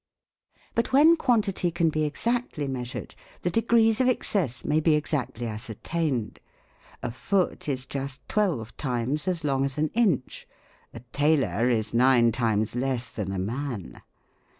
But when quantity can be exactly measured, the degrees of excess may be exactly ascertained. A foot is just twelve times as long as an inch; a tailor is nine times less than a man.